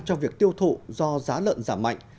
trong việc tiêu thụ do giá lợn giảm mạnh